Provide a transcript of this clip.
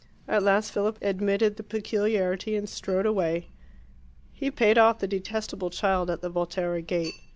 At last Philip admitted the peculiarity and strode away. He paid off the detestable child at the Volterra gate.